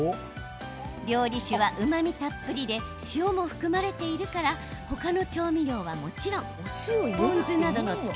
料理酒はうまみたっぷりで塩も含まれているから他の調味料はもちろんポン酢などのつけ